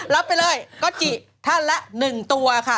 รับไปเลยก็จิท่านละ๑ตัวค่ะ